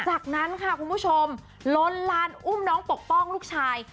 จากนั้นค่ะคุณผู้ชมล้นลานอุ้มน้องปกป้องลูกชาย